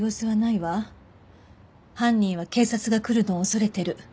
犯人は警察が来るのを恐れてる。